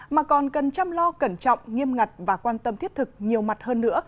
mà còn cần chăm lo cẩn trọng nghiêm ngặt và quan tâm thiết thực nhiều mặt hơn nữa